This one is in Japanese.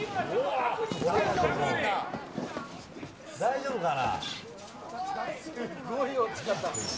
大丈夫かな。